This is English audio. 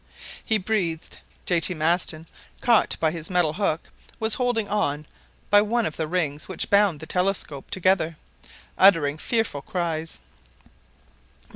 He breathed. J. T. Maston, caught by his metal hook, was holding on by one of the rings which bound the telescope together, uttering fearful cries.